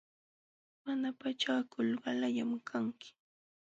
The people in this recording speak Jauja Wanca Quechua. Mana pachakul qalallam kanki.